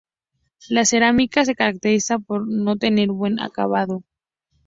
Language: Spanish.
La cerámica se caracteriza por no tener buen acabado.